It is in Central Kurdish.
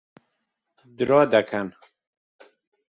درۆ دەکەن.